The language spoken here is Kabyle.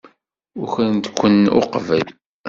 Ukren-kent uqbel?